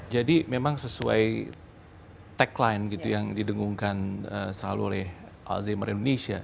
jadi memang sesuai tagline yang didengungkan selalu oleh alzheimer indonesia